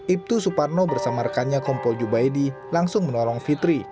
ibtu suparno bersama rekannya kompol jubaidi langsung menolong fitri